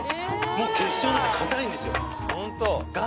もう結晶になってかたいんですよ